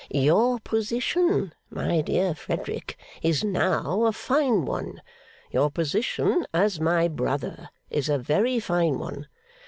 'Your position, my dear Frederick, is now a fine one. Your position, as my brother, is a very fine one.